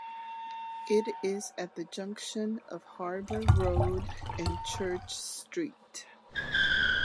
It is at the junction of Harbour Road and Church Street.